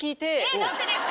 何でですか？